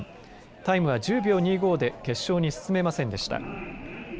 タイムは１０秒２５で決勝に進めませんでした。